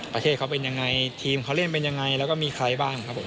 ประเทศเขาเป็นยังไงทีมเขาเล่นเป็นยังไงแล้วก็มีใครบ้างครับผม